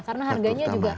karena harganya juga